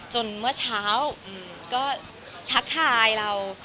เมื่อเช้าก็ทักทายเรา